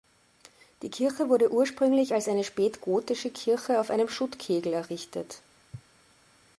Die Kirche wurde ursprünglich als eine spätgotische Kirche auf einem Schuttkegel errichtet.